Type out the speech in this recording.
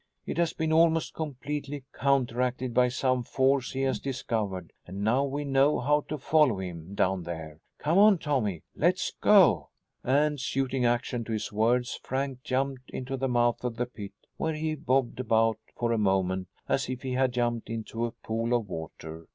It has been almost completely counteracted by some force he has discovered and now we know how to follow him down there. Come on Tommy, let's go!" And, suiting action to his words, Frank jumped into the mouth of the pit where he bobbed about for a moment as if he had jumped into a pool of water.